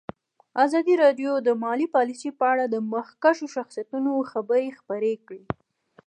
ازادي راډیو د مالي پالیسي په اړه د مخکښو شخصیتونو خبرې خپرې کړي.